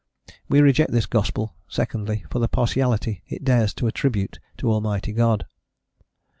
We reject this gospel, secondly, for the partiality it dares to attribute to Almighty God.